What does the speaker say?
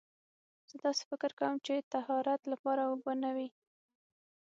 زه داسې فکر کوم چې طهارت لپاره اوبه نه وي.